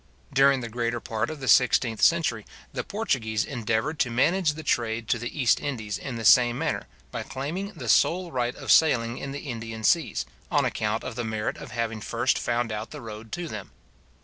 During the greater part of the sixteenth century, the Portuguese endeavoured to manage the trade to the East Indies in the same manner, by claiming the sole right of sailing in the Indian seas, on account of the merit of having first found out the road to them.